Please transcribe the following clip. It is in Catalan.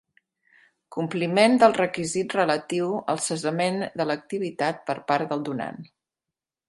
Compliment del requisit relatiu al cessament de l'activitat per part del donant.